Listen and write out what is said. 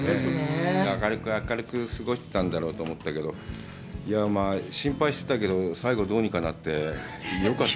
明るく明るく過ごしてたんだろうと思ったけど、心配してたけど、最後、どうにかなって、よかった。